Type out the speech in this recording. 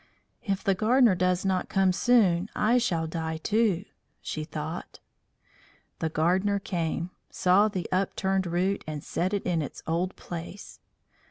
"If the gardener does not come soon I shall die, too," she thought. The gardener came, saw the upturned Root, and set it in its old place.